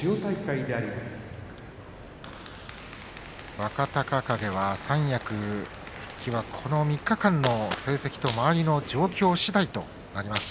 若隆景は三役復帰はこの３日間の成績と周りの状況しだいとなります